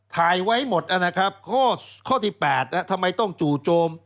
ถ่ายไว้หมดนะครับข้อที่๘ทำไมต้องจู่โจม